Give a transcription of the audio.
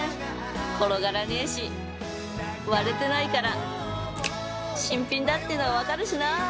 転がらねえし割れてないから新品だっての分かるしな！